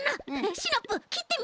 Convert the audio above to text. シナプーきってみよう！